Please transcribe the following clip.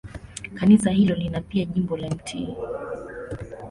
Kanisa hilo lina pia jimbo la Mt.